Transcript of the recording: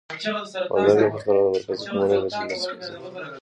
وردګ د پښتنو د مرکزي قومونو له جملې څخه دي.